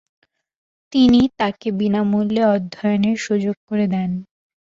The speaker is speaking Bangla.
তিনি তাকে বিনামূল্যে অধ্যয়নের সুযোগ করে দেন।